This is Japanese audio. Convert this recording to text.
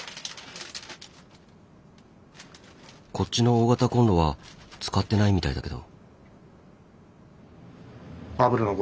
こっちの大型コンロは使ってないみたいだけど。